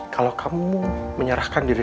kalau kamu menyerahkan diri